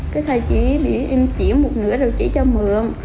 cái sai chỉ em chỉ một nửa rồi chỉ cho mượm